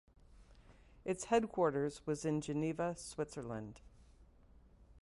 Its headquarters was in Geneva, Switzerland.